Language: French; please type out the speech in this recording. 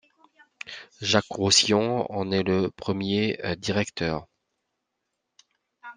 Jacques Roussillon en est le premier directeur.